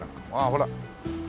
ほら。